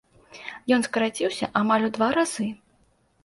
Ён скараціўся амаль у два разы.